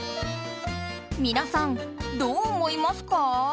皆さん、どう思いますか？